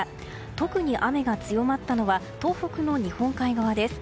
特に雨が強まったのは東北の日本海側です。